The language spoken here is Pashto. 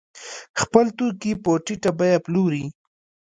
خپل توکي په ټیټه بیه پلوري.